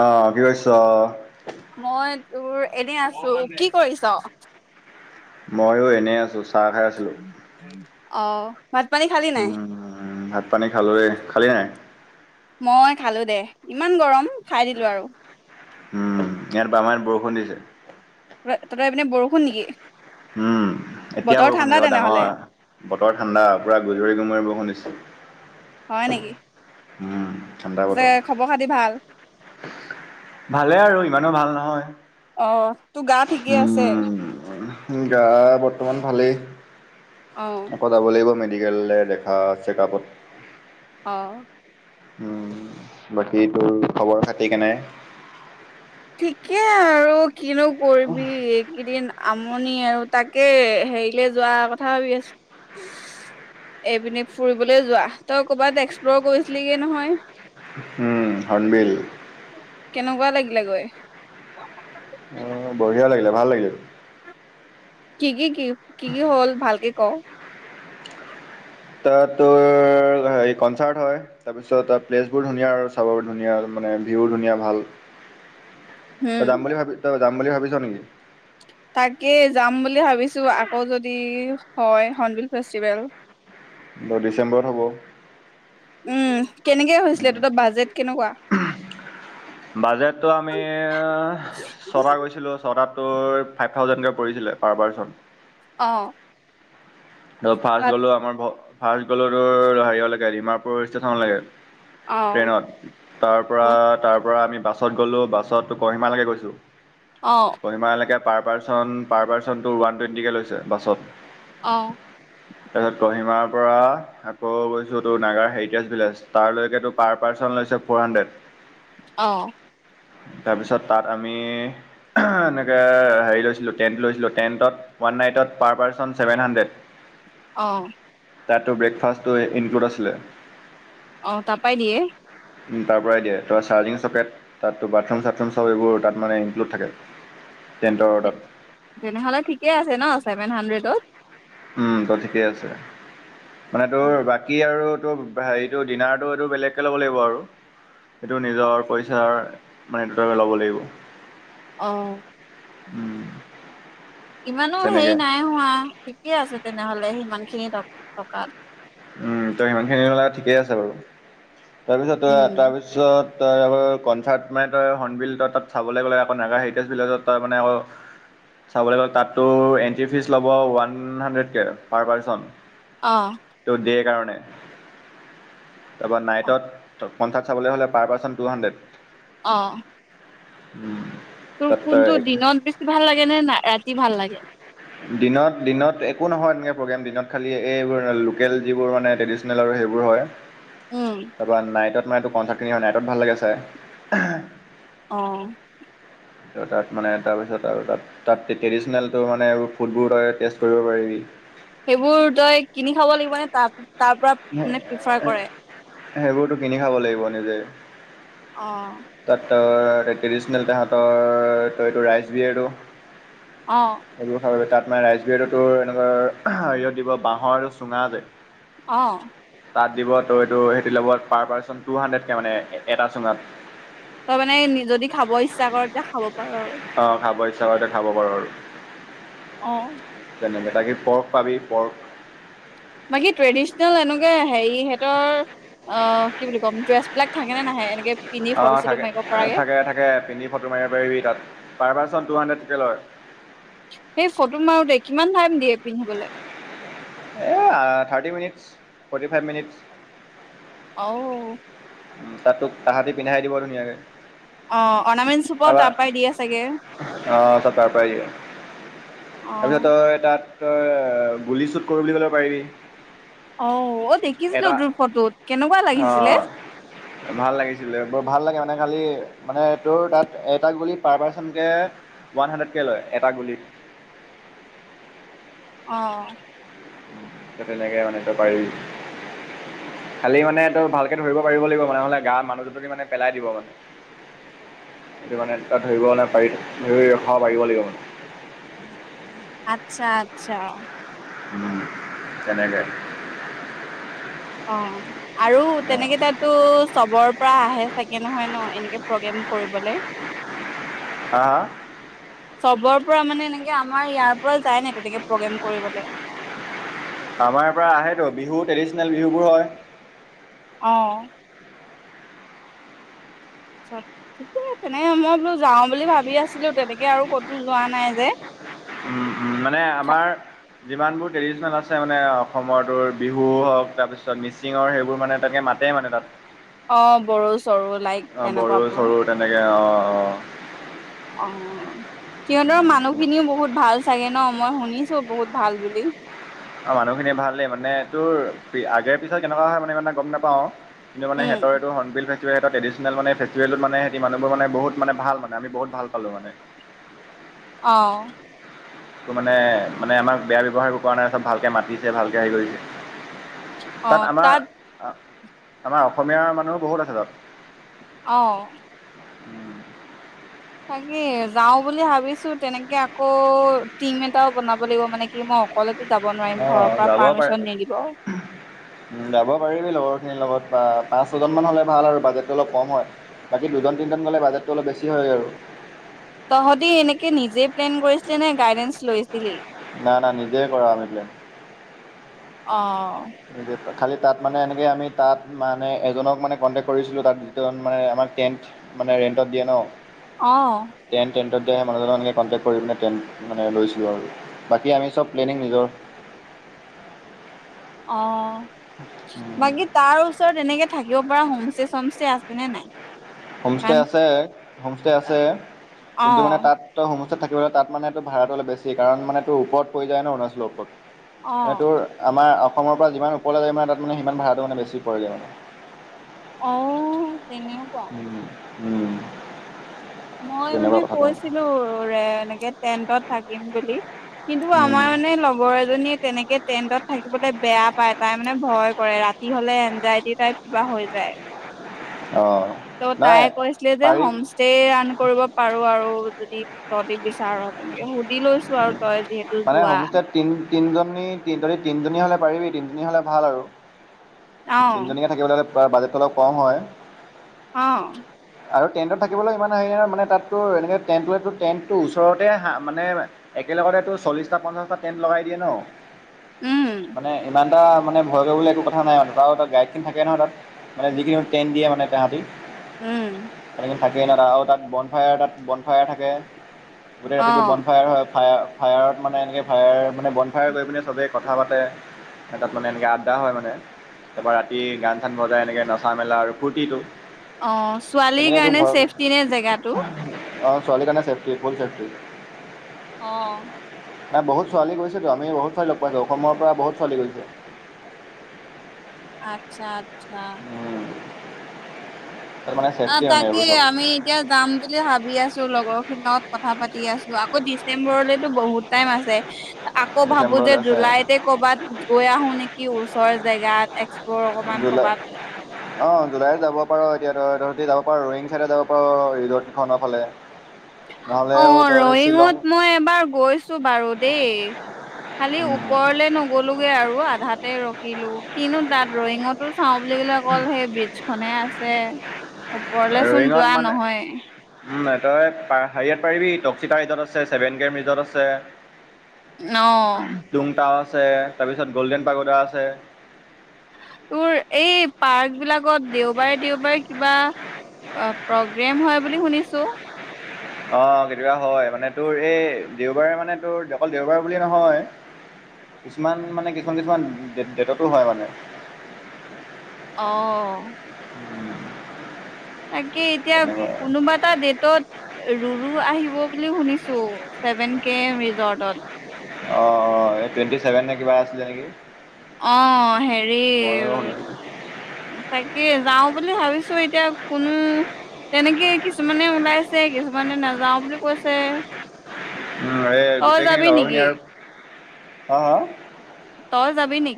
আহ কি কৰছ? মই তোৰ এনেই আছো কি কৰিছ? ময়ো এনেই আছো চাহ খাই আছিলোঁ অ ভাত পানী খালি নাই ভাত পানী খালোৱে, খালি নাই? মই খালো দে। ইমান গৰম খাই দিলো আৰু। উম ইয়াত বামাই বৰষুণ দিছে। [inaudible] বৰষুণ নেকি? উম, এতিয়া বতৰ বৰষুণ ঠাণ্ডা হৈছে তেনেহলে ডাঙৰ বতৰ ঠাণ্ডা পুৰা গুজৰি-গুমৰি বৰষুণ হৈছে। হয় নেকি? উম ঠাণ্ডা যে বতৰ খবৰ খাতি ভাল? ভালে আৰু ইমানো ভাল নহয়। হয় অ' তোৰ গা ঠিকে আছে? উম গা বৰ্তমান ভালেই। অ আকৌ যাব লাগিব মেডি মেডিকেললৈ দেখা চেকআপত। অ উম, বাকী তোৰ খবৰ খাতি কেনে? থিকে আৰু কিনো কৰবি এই কেইদিন মনি আৰু তাকে হেৰিলৈ যোৱা কথা ভাবি আছো। এইপিনে ফুৰিবলৈ যোৱা তই ক'বাত এক্সপ্লৰ কৰিছিলিগে নহয়। উম, হৰ্ণবিল। কেনেকুৱা লাগি গৈ। অহ ', বঢ়িয়া লাগিলে ভাল লাগিলে। কি- কি - কি কি- কি - কি হ'ল ভালকে ক? তাত তোৰ হেৰি কনচাৰ্ট হয় তাৰপিছত তাৰ প্লেচবোৰ ধুনীয়া আৰু চাব ধুনীয়া মানে ভিউ ধুনীয়া ভাল। ত' যাম বুলি ভাবি তই যাম বুলি ভাবিছ নেকি? তাকেই যাম বুলি ভাবিছো আকৌ যদি হয় হৰ্ণবিল ফেষ্টিভেল। দহ ডিচেম্বৰ হ'ব। উম কেনেকে হৈছিলে তহঁতৰ বাজেট কেনেকুৱা বাজেটটো আমি ছটা গৈছিলো ছটা ফাইভ থাউজেণ্ডকে। কৰিছিলে পাৰ পাৰ্চন। অহ ', ত' ফাৰ্ষ্ট গ'লো আমাৰ ফাৰ্ষ্ট গ'লটোৰ হাৰালৈকে ডিমাপুৰ ষ্টেচনলৈকে। অ ট্ৰেইনত তাৰ পৰা - তাৰ পৰা আমি বাছত গ'লোঁ বাছতো কহিমালৈকে গৈছো। অ কহিমা লৈকে। পাৰ পাৰ্চন - পাৰ পাৰ্চনটো ওৱান টুৱেণ্টিকৈ লৈছে বাছত। অহ ', তাৰপিছত কহিমাৰ পৰা আকৌ গৈছো তটো নাগাৰ হেৰিটেজ ভিলেজ তাৰালৈকেতো পাৰ পাৰ্চন লৈছে ফ'ৰ হাণ্ড্ৰেড। অহ ', তাৰপিছত তাত আমি আহ, এনেকৈ হেৰি লৈছিলো টেণ্ট লৈছিলোঁ টেণ্টত ওৱান নাইটত পাৰ পাৰ্চন ছেভেন হাণ্ড্ৰেড। অহ ', তাতো ব্ৰেকফাষ্টটো ইনক্লুড আছিলে। অহ ', তাৰাপাই দিয়ে। তাৰ পৰাৰাই দিয়ে ত চাৰ্জিং চকেট তাতো বাথৰুম চাথৰুম চব এইবোৰ তাত মানে ইনক্লুড থাকে। টেণ্টৰ তাত তেনেহ'লে ঠিকে আছে ন চ ছেভেন হাড্ৰেড। ত' ঠিকেই আছে। মানে তোৰ বাকী আৰু এইটো হেৰিটো ডিনাৰটো এইটো বেলেগকৈ ল'ব লাগিব আৰু সেইটো নিজৰ পইচাৰ মানেটোট ল'ব লাগিব। অহ ', ইমানো তেনেকে হেৰি নাই হোৱা ঠিকে আছে তেনেহ'লে সিমান খিনি ত। থকাৰ উম, ত সিমানখিনি মিলাই ঠিকেই আছে বাৰু। তাৰপিছত - উম তাৰপিছত তই কনচাৰ্ট মেণ্টৰ হৰ্নবিল ত তাত চাবলৈ গ'লে আকৌ নাগা হেৰিটেজ ভিলেজত তাৰ মানে অ, চাবলৈ গ'লে তাততো এণ্ট্ৰি ফিজ ল'ব ওৱান হাণ্ড্ৰেডকে, পাৰ পাৰ্চন। অ'। তোৰ ডে'ৰ কাৰণে তাৰপা নাইটত সংখ্যাত চাবলৈ'হ'লে পাৰ পাৰ্চেণ্ট টু হাণ্ড্ৰেড অ' উম তোৰ কোনটো দিনত বেছি ভাল লাগে, নে না, ৰাতি ভাল লাগে? দিনত, দিনত একো নহয় তেনেকৈ প্ৰগ্ৰেম দিনত খালি, এইবোৰ লোকেল যিবোৰ মানে ট্ৰেডিচনেল আৰু সেইবোৰ হয় উম তাৰপা নাইটত তোমাৰ এইটো কনচাৰ্ট খিনি নাইটত ভাল লাগে চাই। অ' ত তাত মানে, তাৰপিছত আৰু তাত, তাত ট্ৰেডিচনেলটো মানে ফুডবোৰ তই টেষ্ট কৰিব পাৰিবি। সেইবোৰ তই কিনি খাব লাগিব নে তাত তাৰ পৰা মানে প্ৰিফাৰ কৰে? সেইবোৰতো কিনি খাব লাগিব নিজে। অ' ত', ট্ৰেডিচনেল তাহাঁতৰ, এটো, এইটো ৰাইচ বিয়েৰটো অ সেইটো [unintelligible] তাত মানে ৰাইচবিয়েৰটো তোৰ এনেকুৱা হেৰিয়ত দিব বাঁহৰ আৰু চুঙা যে অ' তাত দিব তোৰ এইটো, সেইটো ল'ব পাৰ পাৰ্চন টু হাণ্ড্ৰেডকৈ মানে এটা চুঙাত। অ' মানে যদি খাব ইচ্ছা কৰ, তেতিয়া খাব পাৰ আৰু। অঁ খাব ইচ্ছা কৰিলে খাব পাৰ আৰু অ' তেনেকৈ তাতে পৰ্ক পাবি, পৰ্ক। বাকি ট্ৰেডিচনেল এনেকুৱা হেই হঁতৰ, অ কি বুলি কয় অ', থাকে, মাৰিব পৰাকে থাকে, থাকে। পিন্ধি ফটো মাৰিব পাৰিবি তাত, পাৰ পাৰ্চন টু হাণ্ড্ৰেড কে লয়। সেই ফটো মাৰোতে, কিমান টাইম দিয়ে পিন্ধিবলৈ? এ আ, thirty minutes, forty five minutes ঔ তাত তোক তাহাঁতি পিন্ধাই দিব ধুনীয়াকে। অ', অৰ্ণামেণ্টচ সোপাও তাৰ পৰাই দিয়ে চাগে। অঁ চব তাৰ পৰাই দিয়ে তাৰপিছত অ' তই তাত তই গুলি শ্বুট কৰো বুলি ক'লে পাৰিবি। অ', ঔত এটা, অ', ভাল লাগিছিলে, বৰ ভাল লাগা [unintelligible] খালি, মানে তোৰ তাত এটা গুলি পাৰ পাৰ্চনকৈ ওৱান হাণ্ড্ৰেডকৈ লয়, এটা গুলিত। অ' ত', তেনেকে মানে, তই পাৰি। খালি মানে তই ভালকে ধৰিব পাৰিব লাগিব মানে, নহলে গা মানুহজনী মানে পেলাই দিব মানে। সেইটো মানে তই ধৰিব পাৰি ধৰি ৰখাব পাৰিব লাগিব মানে আটচ্ছা আটচ্ছা। উম, তেনেকে। অ' আৰু তেনেকেইটাতো চবৰ পৰা আহে। থাকে নহয় ন, এনেকে প্ৰগ্ৰেম কৰিবলে। হা হা? চবৰ পৰা মানে এনেকে আমাৰ ইয়াৰ পৰা যায় নে? তেনেকে প্ৰ'গ্ৰেম কৰিবলে আমাৰ পৰা আহেটো বিহু ট্ৰেডিচনেল বিহুবোৰ হয়। অ' আচ্ছা, ঠিকে আছে, তেনেক মই বোলো যাওঁ বুলি ভাবি আছিলো, তেনেকে আৰু ক'তো যোৱা নাই যে উ, উ, মানে আমাৰ যিমানবোৰ ট্ৰেডিচনেল আছে মানে অসমৰ তোৰ বিহু হওক, তাৰপিছত মিচিঙৰ, সেইবোৰ মানে তাকে মাতে মানে মানে তাক অ, বড়ো চড়ো লাইক বড়ো তেনেকুৱাবোৰ চড়ো তেনেকে অ' অ' সিহঁতৰ মানুহখিনি বহুত ভাল চাগে ন,? মই শুনিছো বহুত ভাল বুলি অ, মানুহখিনি ভাল দেই মানে তোৰ, আগে পিছে কেনেকুৱা হয় মানে ইমানটা গম নাপাও কিন্তু মানে উম সিহঁতৰ এইটো হৰ্ণবিল সেয়াও এটা ট্ৰেডিচনেল মানে, ফেষ্টিভেলটোত মানে সিহঁতি মানুহবোৰ মানে বহুত ভাল মানে, আমি বহুত ভাল পালোঁ মানে অ' টো মানে, মানে আমাক বেয়া ব্যৱহাৰ একো কৰা নাই, চব ভালকৈ মাতিছে, ভালকৈ হেৰি কৰিছে তাত আমাৰ আমাৰ অসমীয়া মানুহো বহুত আছে তাত। অ' তাকে, যাওঁ বুলি ভাবিছো তেনেকে আকৌ টিম এটাও বনাব লাগিব মানে কি, মই অকলেতো যাব নোৱাৰিম অ ঘৰৰ পৰা যাব পাৰ পাৰ্মিশন নিদিব উ যাব পাৰিবি লগৰ খিনিৰ লগত পাঁচ ছজনমান হ'লে ভাল আৰু বাজেটটো অলপ কম হয়। বাকী দুজন তিনিজন গ'লে বাজেটটো অলপ বেছি হয় আৰু। তহঁতি এনেকে নিজে প্লেন কৰিছিলে নে গাইডেঞ্চ লৈছিলি? না না নিজে কৰা আমি প্লেন। অ। নিদেতা খালী তাত মানে এনেকে আমি তাত মানে এজনক মানে কণ্টেক্ট কৰিছিলোঁ তাত দুজন মানে আমাক টেণ্ট মানে ৰেণ্টত দিয়ে ন। অহ। ত দে মানুহজনক এনেকে কণ্টেক্ট কৰি পিনে টেট মানে লৈছো আৰু বাকী আমি চব প্লেনিং নিজৰ। অ। বাকী তাৰ ওচ চত এনেকে থাকিব পৰা হোমষ্টে চমষ্টে আছে নে নাই? হোমষ্টে কাৰণ আছে, হোমষ্টে আছে। অ কিন্তু মানে তাত ত হোম ছেত থাকিব তাত মানে ভাড়াটো অলপ বেছি কাৰণ মানে তো ওপৰত পৰি যায় ন অৰুণাচলৰ ওপত অ এইটোৰ আমাৰ- অসমৰ পৰা যিমান ওপৰলৈ যায় মানে তাত মানে সিমান ভাৰাটো মানে বেছি পৰেগে মানে। অ। তেনেওকোৱা। উম উম। মই মানে তেনেকুৱা কথাটো কৈছিলো ৰে এনেকে টেন্টত- থাকিম বুলি। কিন্তু উম আমাৰ মানে লগৰ এজনীয়ে- তেনেকে টেণ্টত থাকিবলৈ বেয়া পায়, তাই মানে ভয় কৰে ৰাতি হলে এনজাইটি তাইপ কিবা হৈ যায়। অঁ ত' নাই তাইে কৈছিলে যে পাৰি হোমষ্টে আ- কৰিব পাৰো আৰু- যদি তহতি বিচাৰ তেনেকে সুধি লৈছো আৰু- তই যিহেতু মানে যোৱা। হোমষ্টেত তিনি তিনিজনী যদি তিনিজনী হ'লে পাৰিবি তিনিজনী হ'লে ভাল আৰু। অ তিনিজনকে থাকিবলে হলে - বা বাজেটটো অলপ কম হয়। অ আৰু টেণ্টত থাকিবলৈ ইমান হেৰি নহয় মানে তাত তোৰ এনেকে টেণ্টলৈতো টেণ্টটো ওচৰতে মানে একেলগতে তোৰ - চল্লিছটা, পঞ্চাছটা টেণ্ট লগাই দিয়ে ন। উম। [unintelligible] মানে ভয় কৰিবলগীয়া একো কথা নাই মান তাত আৰু এ গাইড খিনি থাকে নহয় তাত মানে যিকিখন টেন্ত দিয়ে মানে তাহাঁতি। উম। থাকে ন তাত আৰু তাত বন ফায়াৰ তাত বন ফায়াৰ থাকে। গোটেই অ ৰাতিটো বন ফায়াৰ হয়। হয় ফায়া- ফায়াৰত মানে এনেকে ফায়াৰ মানে বন ফায়াৰ কৰি পিনে চবেই কথা পাতে, তাত মানে এনেকে আড্ডা হয়, মানে তাৰপৰা ৰাতি গান-চান বজাই, এনেকৈ নচা মেলা আৰু ফূৰ্তিটো- অ ছোৱালীৰ তেনেকৈ কাৰণে চছেফটি নে জেগাটো? অ ছোৱালীৰ কাৰণে চেফটি ফুল চেফ্টি। অহ। নাই বহুত ছোৱালী গৈছেতো আমি বহুত ছোৱালী লগ পাইছোঁ অসমৰ পৰা বহুত ছোৱালী গৈছে। আচ্ছা আচ্ছা। তাত মানে অ ছেফটি মানে এইবোৰ তাকেই চব আমি এতিয়া যাম বুলি ভাবি আছো লগৰখিনি লগত কথা- কথা পাতি আছো আকৌ ডিচেম্বৰলেতো বহুত টাইম আছে। আকৌ ভাবো যে ডিচেম্বৰলৈ আছে জুলাইতে কৰ'বাত গৈ আহো নেকি ওচৰৰ জেগাত- এক্সপ্লৰ অকমান জুলাই কৰ'বাত অ জুলাইত যাব পাৰ। এতিয়া ত, তহঁতি যাব পাৰ ৰয়িং চাইডে যাব পাৰ, ৰিজৰ্ট খনৰ ফালে। নহ'লেও অ', তহঁতি শ্বিলং ৰয়িঙত মই এবাৰ গৈছো বাৰু দেই খালী ওপৰলৈ নগ'লোঁগে, আৰু আধাত তে ৰখিলোঁ। কিনো তাত, ৰয়িঙতো চাওঁ বুলি ক'লে, অকল সেই বিচ খনে আছে ওপৰলেচোন ৰয়িঙত যোৱা মানে নহয়েই। উম তই, পা, হেৰিয়াত পাৰিবি। টক্সিতা ৰিজৰ্ট আছে, ছেভেন কেএম ৰিজৰ্ট আছে। অ', টুংতাও আছে। তাৰপিছত গ'ল্ডেন পাগোডা আছে। তোৰ, এই পাৰ্ক বিলাকত দেওবাৰে, দেওবাৰে কিবা প্ৰগ্ৰেম হয় বুলি শুনিছোঁ। অ', কেতিয়াবা হয়। মানে, তোৰ এই দেওবাৰে মানে, তোৰ, অকল দেওবাৰে বুলি নহয়। কিছুমান মানে, কিছুমান, কিছুমান ডেটতো হয় মানে অ'। তাকে এতিয়া তেনেকুৱা কোনোবা এটা ডেটত ৰুৰু আহিব বুলি শুনিছোঁ। টো, চেভেন কেএম ৰিজৰ্টত। অ', অ'। এ, টুৱেণ্টি চেভেন নে কিবা আছিলে নেকি? অ' হেৰি, ময়ো তাকে যাও বুলি ভাবিছোঁ। এতিয়া কোনো, তেনেকে কিছুমানে ওলাইছে, কিছুমানে নাযাওঁ বুলি কৈছে। উম, এই তই গোটেইখিনি যাবি লগৰ নেকি খিনি আৰু হা, হা তই যাবি নি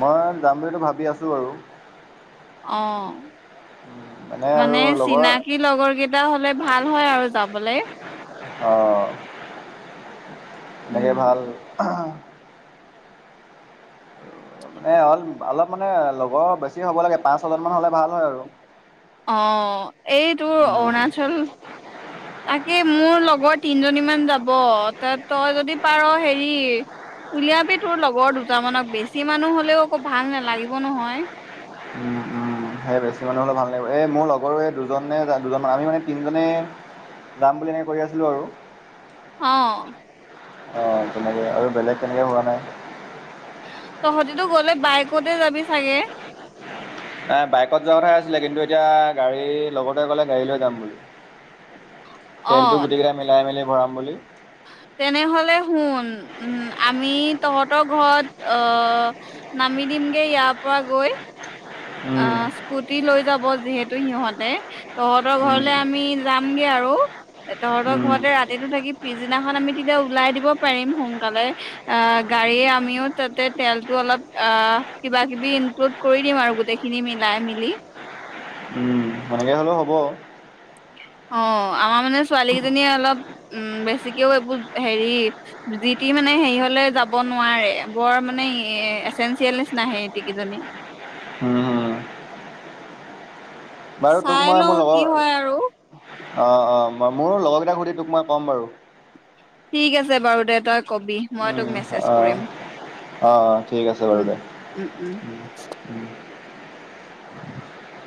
মই যাম বুলিতো ভাবি আছ চো, আৰু অ', আৰু মানে লগৰ চিনাকি লগৰ কেইটা হ'লে ভাল হয়, আৰু যাবলে। অ'। বাকী উম ভাল? এ, অল-অলপ মানে লগৰ বেছি হ'ব লাগে পাঁচ, ছজন মান হ'লে ভাল হয়, আৰু। অ', এই তোৰ অৰুণাচল, তাকে মোৰ লগৰ তিনজনী মান যাব ত-তই যদি পাৰ হেৰি উলিয়াবি তোৰ লগৰ দুটামানক বেছি মানুহ হ'লেও আকৌ ভাল নালাগিব নহয়। উম, উম, সেয় বেছি মানুহ হ'লে ভাল নালাগিব, এই মোৰ লগৰো এই দুজন নে, দুজনমান আমি মানে তিনিজনে যাম বুলি এনেকৈ কৰি আছিলোঁ আৰু। অ'। অ', তেনেকে আৰু বেলেগ তেনেকে হোৱা নাই। তহঁতেটো গ'লে বাইকতে যাবি চাগে? এ, বাইকত যোৱা কথাই আছিলে কিন্তু এতিয়া গাড়ীৰ লগটোৱে ক'লে গাড়ী লৈ যাম বুলি। অ তেলটো গোটেইকেইটা মিলাই, মেলি ফুৰাম বুলি তেনেহলে শুন, উম আমি তহঁতৰ ঘৰত অহ নামি দিমগে ইয়াৰ পৰা গৈ অ, উম, স্কুটি লৈ যাব যিহে তু ইহঁতে তহঁতৰ উম, ঘৰলে আমি যামগে আৰু। এ তহঁতৰ উম, ঘৰতে ৰাতিটো থাকি পিছদিনাখন আমি তেতিয়া উলাই দিব পাৰিম সোনকালে। অ গাড়ীয়ে আমিও তাতে তেলতো অলপ অ কিবা-কিবি ইনক্লুড কৰি দিম আৰু গোটেইখি নি মিলাই মিলি। উম, সেনেকে হ'লেও হ'ব। অ, আমাৰ মানে ছোৱালী কেইজনীয়ে অলপ উম বেছি এতিয়াও এইবোৰ হেৰি যি টি মানে হেৰি হ'লে যাব নোৱাৰে বৰ মানে এচেঞ্চিয়েল নিচিনা সেহেতি কেইজনী। হম। চাই লওঁ কি হয় আৰু। অ' অ' মোৰো লগৰ কেইটাক সুধি তোক মই ক'ম বাৰু। ঠিক আছে বাৰু দে তই কবি মই তোক উম মেছেজ অ' কৰিম অ' ঠিক আছে বাৰু উম দে। উম উম [inaudible]